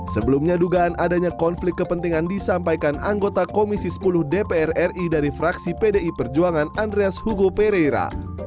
sebelumnya dugaan adanya konflik kepentingan disampaikan anggota komisi sepuluh dpr ri dari fraksi pdi perjuangan andreas hugo pereira